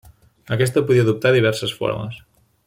Aquesta podia adoptar diverses formes.